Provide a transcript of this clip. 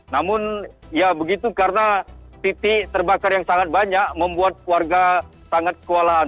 namun ya begitu karena titik terbakar yang sangat banyak membuat warga sangat kewalahan